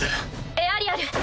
エアリアル。